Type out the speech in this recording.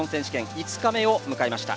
５日目を迎えました。